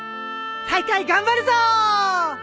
大会頑張るぞ。